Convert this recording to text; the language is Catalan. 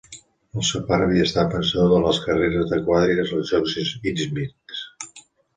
El seu pare havia estat vencedor de les carreres de quadrigues als Jocs Ístmics.